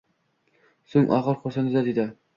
Soʻng ogʻir xoʻrsindi-da, dedi